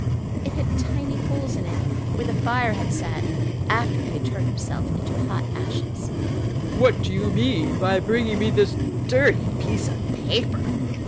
It had tiny holes in it where the fire had sat after he had turned himself into hot ashes. "What do you mean by bringing me this dirty piece of paper?"